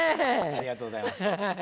ありがとうございます。